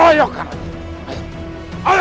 saya akan kembali